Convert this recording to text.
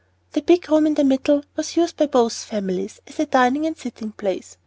The big room in the middle was used by both families as a dining and sitting place.